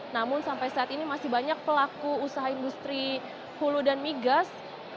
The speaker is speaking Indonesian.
namun sampai saat ini masih banyak pelaku usaha industri hulu dan migas